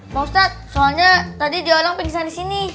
pak ustad soalnya tadi dia orang pengisahan disini